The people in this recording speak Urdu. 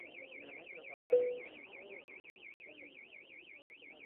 لبرلز کی نمائندگی ہمارے ہاں پیپلز پارٹی کرتی ہے۔